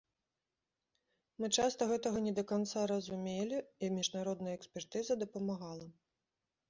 Мы часта гэтага не да канца разумелі, і міжнародная экспертыза дапамагала.